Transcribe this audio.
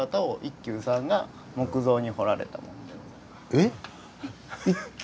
えっ？